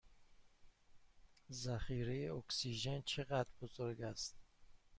ذخیره اکسیژن چه قدر بزرگ است؟